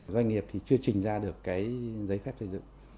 doanh nghiệp chưa trình ra được giấy phép xây dựng